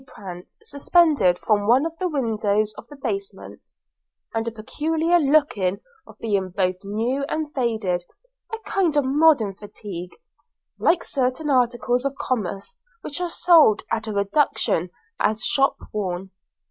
Prance) suspended from one of the windows of the basement, and a peculiar look of being both new and faded a kind of modern fatigue like certain articles of commerce which are sold at a reduction as shop worn.